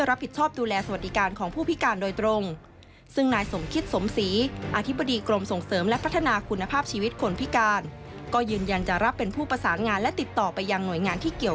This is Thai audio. จะรับผิดชอบดูแลสวัสดิการของผู้พิการโดยตรง